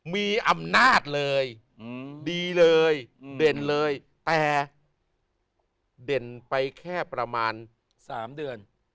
มีอำนาจเลยดีเลยเด่นเลยแต่เด่นไปแค่ประมาณ๓เดือน